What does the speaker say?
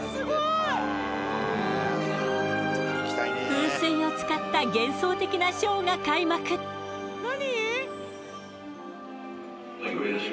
噴水を使った幻想的なショーが開幕何？